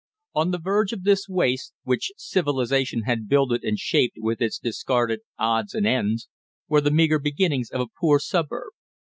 On the verge of this waste, which civilization had builded and shaped with its discarded odds and ends, were the meager beginnings of a poor suburb.